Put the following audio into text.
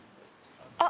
あっ！